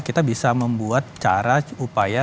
kita bisa membuat cara upaya